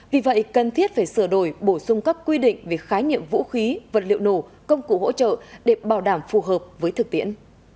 vì vậy cần thiết phải sửa đổi bổ sung các quy định về khái niệm vũ khí vật liệu nổ công cụ hỗ trợ để bảo đảm phù hợp với thực tiễn